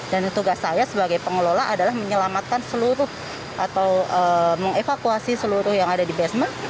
dan tugas saya sebagai pengelola adalah menyelamatkan seluruh atau mengevakuasi seluruh yang ada di basement